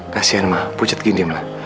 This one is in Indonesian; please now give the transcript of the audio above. kasian ma pucat gini ma